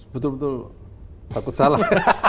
betul betul takut salah